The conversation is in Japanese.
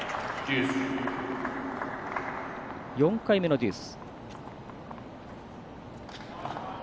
４回目のデュース。